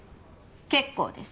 結構です